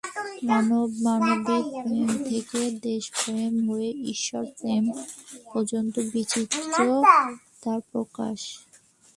মানব-মানবীর প্রেম থেকে দেশপ্রেম হয়ে ঈশ্বর প্রেম পর্যন্ত বিচিত্র তার প্রকাশ।